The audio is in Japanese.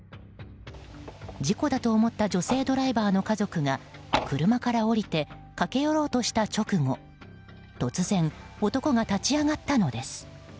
事故だと思った女性ドライバーの家族が車から降りて駆け寄ろうとした直後突然、男が立ち上がったのです。